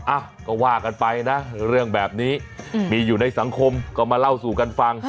อ่ะก็ว่ากันไปนะเรื่องแบบนี้มีอยู่ในสังคมก็มาเล่าสู่กันฟัง